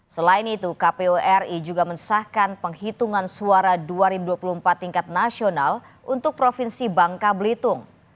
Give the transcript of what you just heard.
selain itu kpu ri juga mensahkan penghitungan suara dua ribu dua puluh empat tingkat nasional untuk provinsi bangka belitung